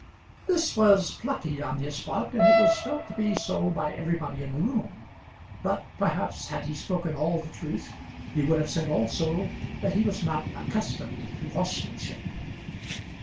This was plucky on his part, and it was felt to be so by everybody in the room; but perhaps had he spoken all the truth, he would have said also that he was not accustomed to horsemanship.